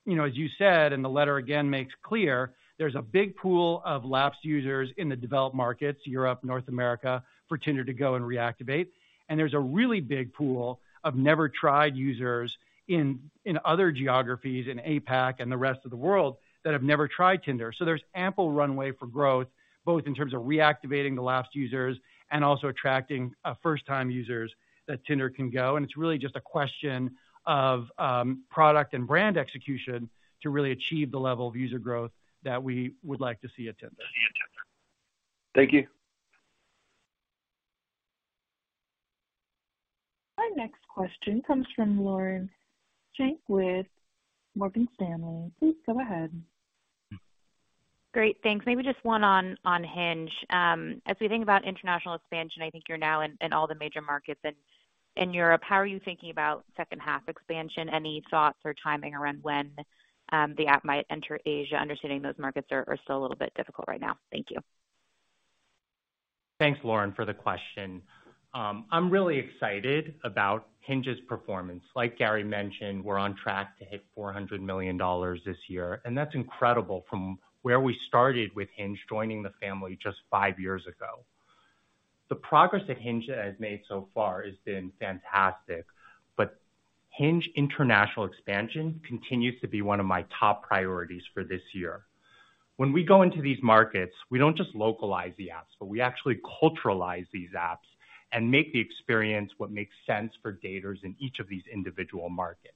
You know, as you said, and the letter again makes clear, there's a big pool of lapsed users in the developed markets, Europe, North America, for Tinder to go and reactivate. There's a really big pool of never tried users in other geographies in APAC and the rest of the world that have never tried Tinder. There's ample runway for growth, both in terms of reactivating the lapsed users and also attracting first-time users that Tinder can go. It's really just a question of product and brand execution to really achieve the level of user growth that we would like to see at Tinder. Thank you. Our next question comes from Lauren Schenk with Morgan Stanley. Please go ahead. Great. Thanks. Maybe just one on Hinge. As we think about international expansion, I think you're now in all the major markets in Europe. How are you thinking about second half expansion? Any thoughts or timing around when the app might enter Asia? Understanding those markets are still a little bit difficult right now. Thank you. Thanks, Lauren, for the question. I'm really excited about Hinge's performance. Like Gary mentioned, we're on track to hit $400 million this year, and that's incredible from where we started with Hinge joining the family just five years ago. The progress that Hinge has made so far has been fantastic, but Hinge international expansion continues to be one of my top priorities for this year. When we go into these markets, we don't just localize the apps, but we actually culturalize these apps and make the experience what makes sense for daters in each of these individual markets.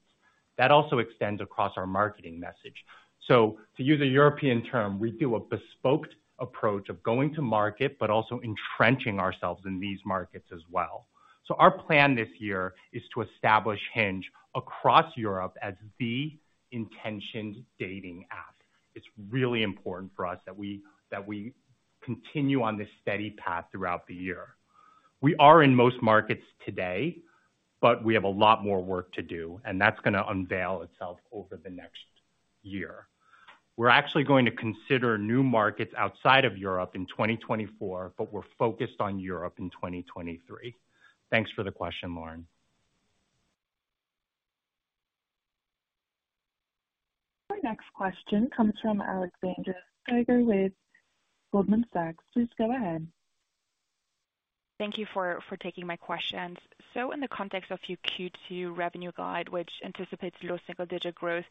That also extends across our marketing message. To use a European term, we do a bespoke approach of going to market but also entrenching ourselves in these markets as well. Our plan this year is to establish Hinge across Europe as the intentioned dating app. It's really important for us that we continue on this steady path throughout the year. We are in most markets today, but we have a lot more work to do, and that's going to unveil itself over the next year. We're actually going to consider new markets outside of Europe in 2024, but we're focused on Europe in 2023. Thanks for the question, Lauren. Our next question comes from Alexandra Steiger with Goldman Sachs. Please go ahead. Thank you for taking my questions. In the context of your Q2 revenue guide, which anticipates low single digit growth,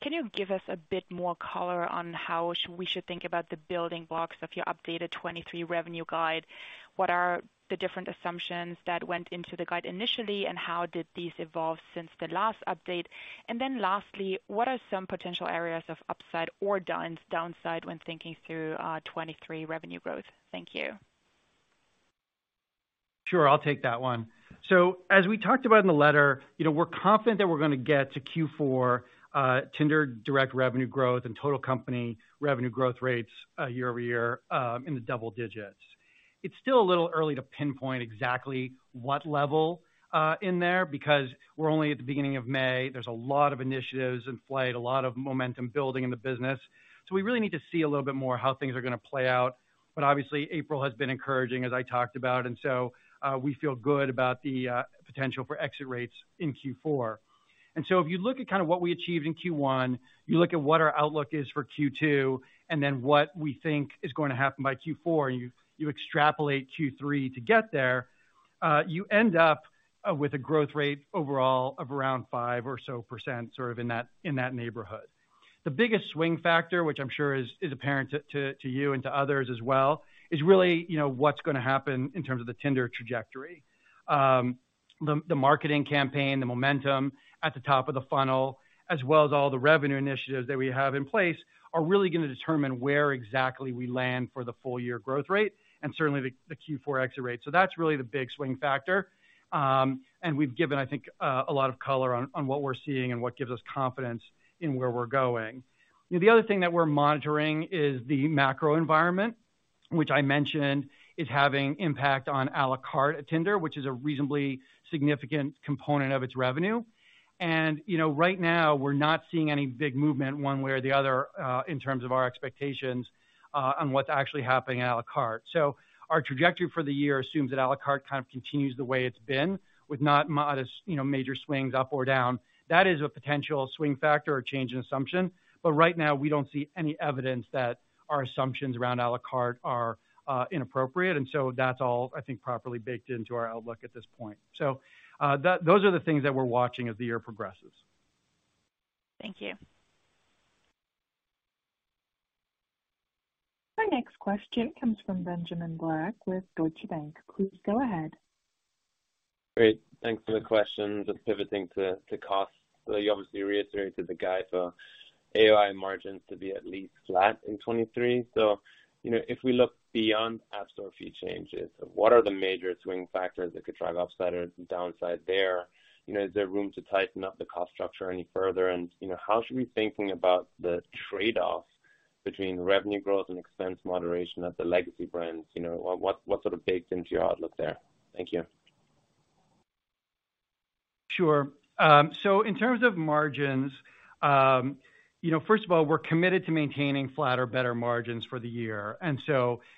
can you give us a bit more color on how we should think about the building blocks of your updated 23 revenue guide? What are the different assumptions that went into the guide initially, and how did these evolve since the last update? Lastly, what are some potential areas of upside or downside when thinking through 23 revenue growth? Thank you. Sure. I'll take that one. As we talked about in the letter, you know, we're confident that we're gonna get to Q4 Tinder direct revenue growth and total company revenue growth rates year-over-year in the double digits. It's still a little early to pinpoint exactly what level in there because we're only at the beginning of May. There's a lot of initiatives in play, a lot of momentum building in the business. We really need to see a little bit more how things are gonna play out. Obviously, April has been encouraging, as I talked about, we feel good about the potential for exit rates in Q4. If you look at kinda what we achieved in Q1, you look at what our outlook is for Q2, and then what we think is gonna happen by Q4, and you extrapolate Q3 to get there, you end up with a growth rate overall of around 5% or so, sort of in that neighborhood. The biggest swing factor, which I'm sure is apparent to you and to others as well, is really, you know, what's gonna happen in terms of the Tinder trajectory. The marketing campaign, the momentum at the top of the funnel, as well as all the revenue initiatives that we have in place, are really gonna determine where exactly we land for the full-year growth rate and certainly the Q4 exit rate. That's really the big swing factor. We've given, I think, a lot of color on what we're seeing and what gives us confidence in where we're going. The other thing that we're monitoring is the macro environment, which I mentioned is having impact on à la carte at Tinder, which is a reasonably significant component of its revenue. You know, right now, we're not seeing any big movement one way or the other, in terms of our expectations, on what's actually happening at à la carte. Our trajectory for the year assumes that à la carte kind of continues the way it's been with not modest, you know, major swings up or down. That is a potential swing factor or change in assumption. Right now, we don't see any evidence that our assumptions around à la carte are inappropriate, and so that's all, I think, properly baked into our outlook at this point. Those are the things that we're watching as the year progresses. Thank you. Our next question comes from Benjamin Black with Deutsche Bank. Please go ahead. Great. Thanks for the question. Just pivoting to cost. You obviously reiterated the guide for AOI margins to be at least flat in 2023. You know, if we look beyond App Store fee changes, what are the major swing factors that could drive upside or downside there? You know, is there room to tighten up the cost structure any further? You know, how should we be thinking about the trade-off. Between revenue growth and expense moderation at the legacy brands, you know. What sort of baked into your outlook there? Thank you. Sure. So in terms of margins, you know, first of all, we're committed to maintaining flatter, better margins for the year.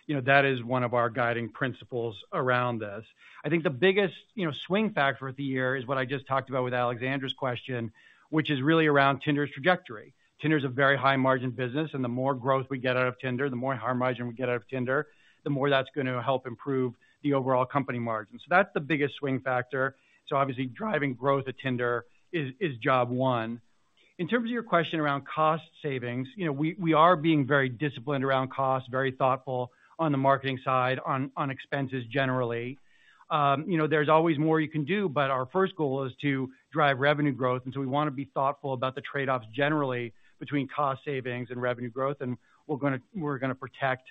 You know, that is one of our guiding principles around this. I think the biggest, you know, swing factor of the year is what I just talked about with Alexandra Steiger's question, which is really around Tinder's trajectory. Tinder is a very high margin business, and the more growth we get out of Tinder, the more high margin we get out of Tinder, the more that's gonna help improve the overall company margins. That's the biggest swing factor. Obviously driving growth at Tinder is job one. In terms of your question around cost savings, you know, we are being very disciplined around cost, very thoughtful on the marketing side, on expenses generally. You know, there's always more you can do, but our first goal is to drive revenue growth. We wanna be thoughtful about the trade-offs generally between cost savings and revenue growth. We're gonna protect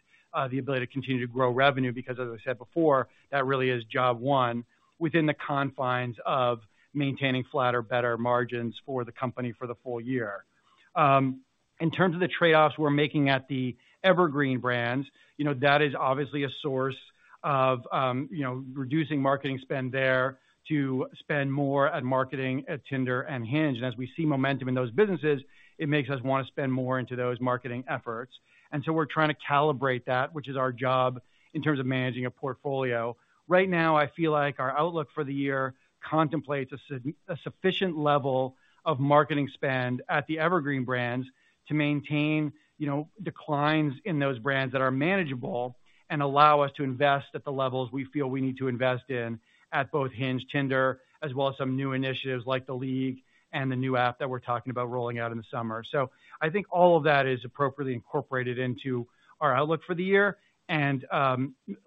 the ability to continue to grow revenue because as I said before, that really is job one within the confines of maintaining flatter, better margins for the company for the full-year. In terms of the trade-offs we're making at the Evergreen brands, you know, that is obviously a source of, you know, reducing marketing spend there to spend more at marketing at Tinder and Hinge. As we see momentum in those businesses, it makes us wanna spend more into those marketing efforts. We're trying to calibrate that, which is our job in terms of managing a portfolio. Right now, I feel like our outlook for the year contemplates a sufficient level of marketing spend at the Evergreen brands to maintain, you know, declines in those brands that are manageable and allow us to invest at the levels we feel we need to invest in at both Hinge, Tinder, as well as some new initiatives like The League and the new app that we're talking about rolling out in the summer. I think all of that is appropriately incorporated into our outlook for the year and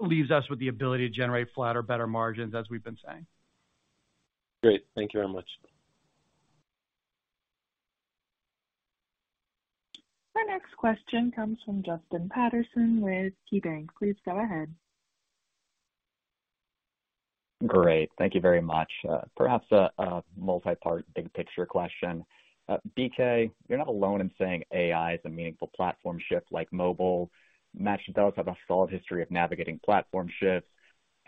leaves us with the ability to generate flatter, better margins, as we've been saying. Great. Thank you very much. Our next question comes from Justin Patterson with KeyBanc. Please go ahead. Great. Thank you very much. Perhaps a multi-part big picture question. BK, you're not alone in saying AI is a meaningful platform shift like mobile. Match does have a solid history of navigating platform shifts,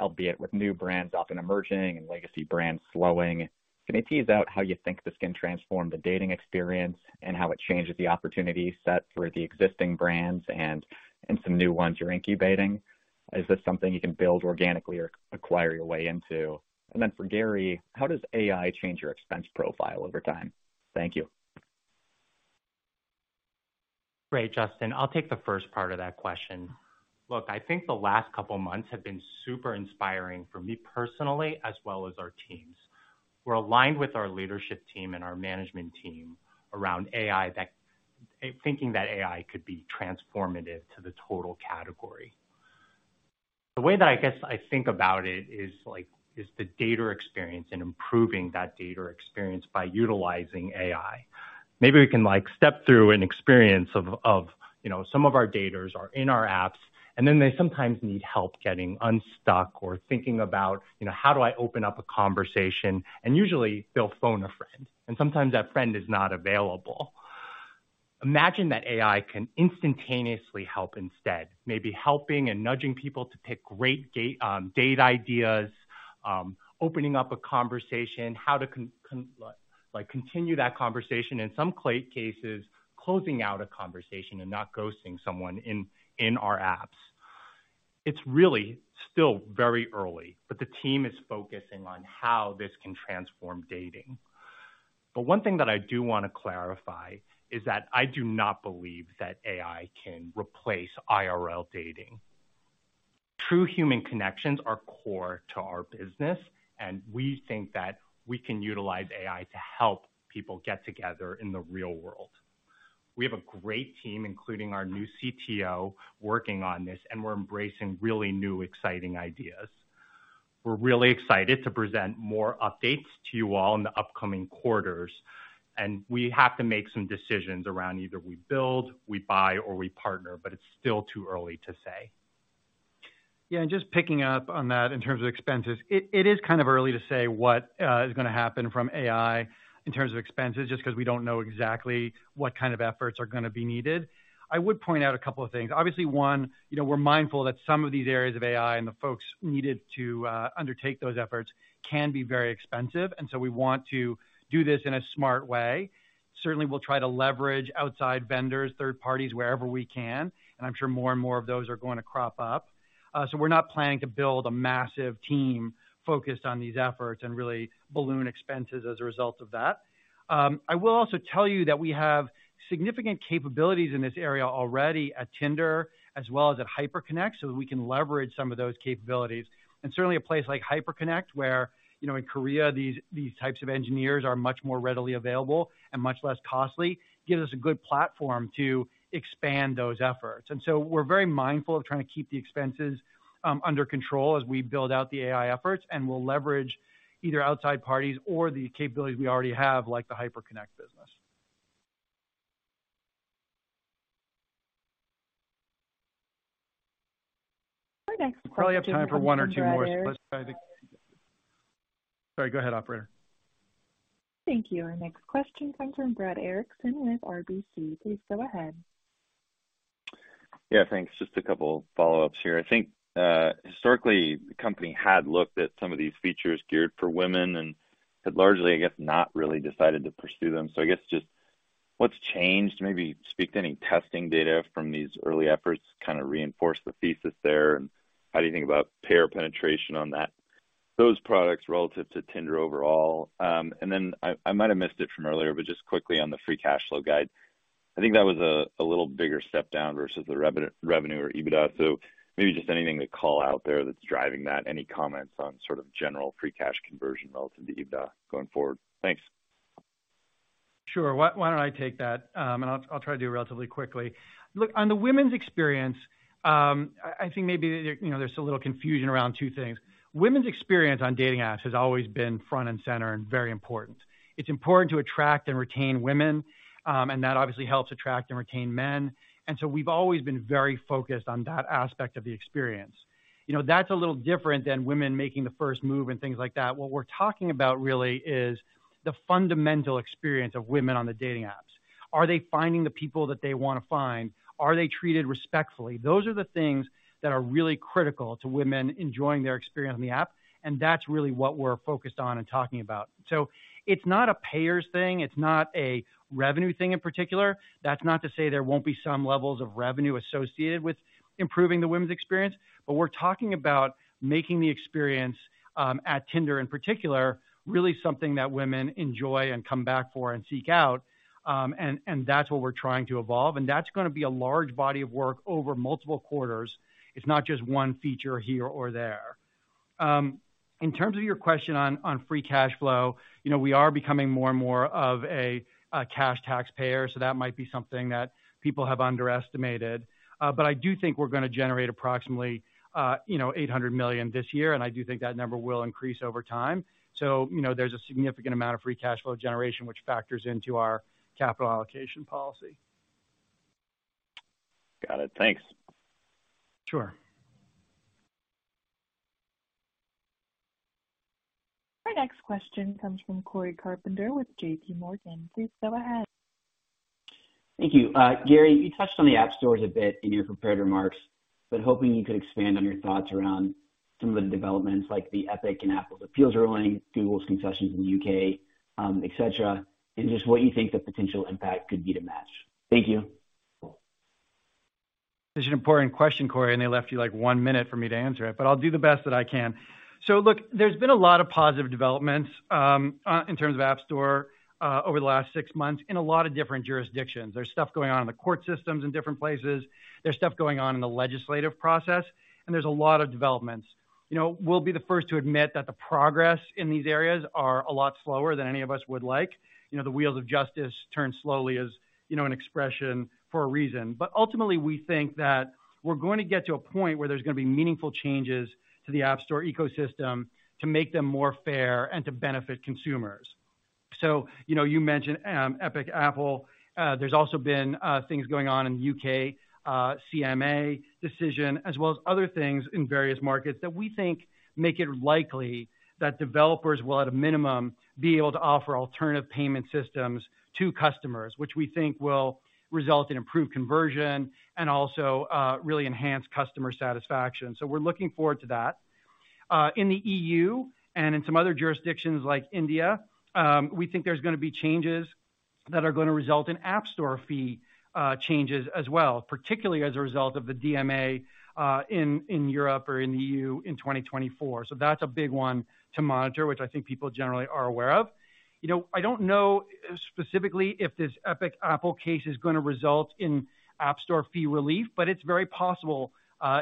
albeit with new brands often emerging and legacy brands slowing. Can you tease out how you think this can transform the dating experience and how it changes the opportunity set for the existing brands and some new ones you're incubating? Is this something you can build organically or acquire your way into? For Gary, how does AI change your expense profile over time? Thank you. Great, Justin. I'll take the first part of that question. Look, I think the last couple months have been super inspiring for me personally, as well as our teams. We're aligned with our leadership team and our management team around AI. Thinking that AI could be transformative to the total category. The way that I guess I think about it is like, is the dater experience and improving that dater experience by utilizing AI. Maybe we can, like, step through an experience of, you know, some of our daters are in our apps, and then they sometimes need help getting unstuck or thinking about, you know, how do I open up a conversation? Usually they'll phone a friend, and sometimes that friend is not available. Imagine that AI can instantaneously help instead, maybe helping and nudging people to pick great date ideas, opening up a conversation, how to continue that conversation, in some cases, closing out a conversation and not ghosting someone in our apps. It's really still very early. The team is focusing on how this can transform dating. One thing that I do wanna clarify is that I do not believe that AI can replace IRL dating. True human connections are core to our business, and we think that we can utilize AI to help people get together in the real world. We have a great team, including our new CTO, working on this, and we're embracing really new, exciting ideas. We're really excited to present more updates to you all in the upcoming quarters. We have to make some decisions around either we build, we buy, or we partner. It's still too early to say. Yeah, just picking up on that in terms of expenses. It is kind of early to say what is gonna happen from AI in terms of expenses, just 'cause we don't know exactly what kind of efforts are gonna be needed. I would point out a couple of things. Obviously, one, you know, we're mindful that some of these areas of AI and the folks needed to undertake those efforts can be very expensive. We want to do this in a smart way. Certainly, we'll try to leverage outside vendors, third parties wherever we can, and I'm sure more and more of those are going to crop up. We're not planning to build a massive team focused on these efforts and really balloon expenses as a result of that. I will also tell you that we have significant capabilities in this area already at Tinder as well as at Hyperconnect, so we can leverage some of those capabilities. Certainly a place like Hyperconnect, where, you know, in Korea, these types of engineers are much more readily available and much less costly, gives us a good platform to expand those efforts. We're very mindful of trying to keep the expenses under control as we build out the AI efforts. We'll leverage either outside parties or the capabilities we already have, like the Hyperconnect business. Our next question comes from Brad Erickson. We probably have time for one or two more, so let's try the... Sorry, go ahead, operator. Thank you. Our next question comes from Brad Erickson with RBC. Please go ahead. Yeah, thanks. Just a couple follow-ups here. I think historically the company had looked at some of these features geared for women and had largely, I guess, not really decided to pursue them. I guess just what's changed? Maybe speak to any testing data from these early efforts, kind of reinforce the thesis there. How do you think about payer penetration on that, those products relative to Tinder overall? I might have missed it from earlier, but just quickly on the free cash flow guide, I think that was a little bigger step down versus the revenue or EBITDA. Maybe just anything to call out there that's driving that. Any comments on sort of general free cash conversion relative to EBITDA going forward? Thanks. Sure. Why don't I take that? I'll try to do it relatively quickly. Look, on the women's experience, I think maybe there, you know, there's a little confusion around two things. Women's experience on dating apps has always been front and center and very important. It's important to attract and retain women, and that obviously helps attract and retain men. We've always been very focused on that aspect of the experience. You know, that's a little different than women making the first move and things like that. What we're talking about really is the fundamental experience of women on the dating apps. Are they finding the people that they wanna find? Are they treated respectfully? Those are the things that are really critical to women enjoying their experience on the app, and that's really what we're focused on and talking about. It's not a payers thing. It's not a revenue thing in particular. That's not to say there won't be some levels of revenue associated with improving the women's experience. We're talking about making the experience at Tinder in particular, really something that women enjoy and come back for and seek out. That's what we're trying to evolve. That's gonna be a large body of work over multiple quarters. It's not just one feature here or there. In terms of your question on free cash flow, you know, we are becoming more and more of a cash taxpayer, so that might be something that people have underestimated. I do think we're gonna generate approximately, you know, $800 million this year, and I do think that number will increase over time. You know, there's a significant amount of free cash flow generation which factors into our capital allocation policy. Got it. Thanks. Sure. Our next question comes from Cory Carpenter with JPMorgan. Please go ahead. Thank you. Gary, you touched on the App Store a bit in your prepared remarks, hoping you could expand on your thoughts around some of the developments like the Epic Games and Apple's appeals ruling, Google's concessions in the U.K., et cetera, and just what you think the potential impact could be to Match Group. Thank you. It's an important question, Cory, and they left you, like, one minute for me to answer it, but I'll do the best that I can. Look, there's been a lot of positive developments in terms of App Store over the last six months in a lot of different jurisdictions. There's stuff going on in the court systems in different places. There's stuff going on in the legislative process, and there's a lot of developments. You know, we'll be the first to admit that the progress in these areas are a lot slower than any of us would like. You know, the wheels of justice turn slowly is, you know, an expression for a reason. Ultimately, we think that we're going to get to a point where there's gonna be meaningful changes to the App Store ecosystem to make them more fair and to benefit consumers. You know, you mentioned Epic, Apple. There's also been things going on in the U.K., CMA decision, as well as other things in various markets that we think make it likely that developers will, at a minimum, be able to offer alternative payment systems to customers, which we think will result in improved conversion and also really enhance customer satisfaction. We're looking forward to that. In the E.U. and in some other jurisdictions like India, we think there's gonna be changes that are gonna result in App Store fee changes as well, particularly as a result of the DMA in Europe or in the E.U. in 2024. That's a big one to monitor, which I think people generally are aware of. You know, I don't know specifically if this Epic, Apple case is gonna result in App Store fee relief, but it's very possible.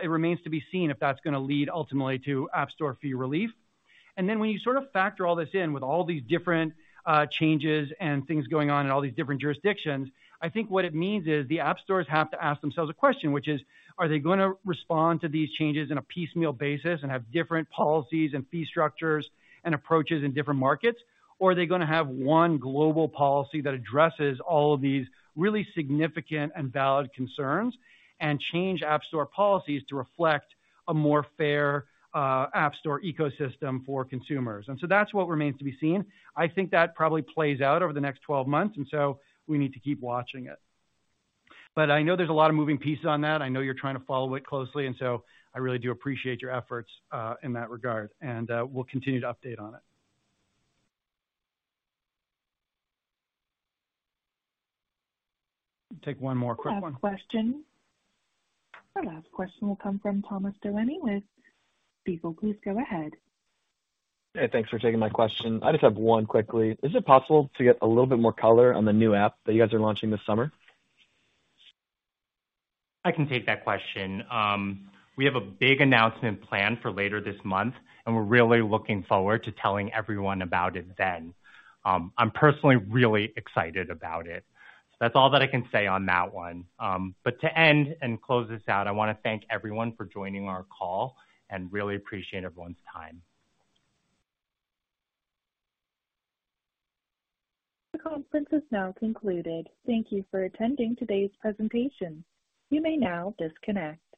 It remains to be seen if that's gonna lead ultimately to App Store fee relief. When you sort of factor all this in with all these different changes and things going on in all these different jurisdictions, I think what it means is the App Stores have to ask themselves a question, which is, are they gonna respond to these changes in a piecemeal basis and have different policies and fee structures and approaches in different markets? Or are they gonna have one global policy that addresses all of these really significant and valid concerns and change App Store policies to reflect a more fair App Store ecosystem for consumers? That's what remains to be seen. I think that probably plays out over the next 12 months. We need to keep watching it. I know there's a lot of moving pieces on that. I know you're trying to follow it closely. I really do appreciate your efforts in that regard. We'll continue to update on it. Take one more quick one. Last question. Our last question will come from Thomas Delaney with Stifel. Please go ahead. Hey, thanks for taking my question. I just have one quickly. Is it possible to get a little bit more color on the new app that you guys are launching this summer? I can take that question. We have a big announcement planned for later this month, and we're really looking forward to telling everyone about it then. I'm personally really excited about it. That's all that I can say on that one. To end and close this out, I wanna thank everyone for joining our call and really appreciate everyone's time. The conference is now concluded. Thank you for attending today's presentation. You may now disconnect.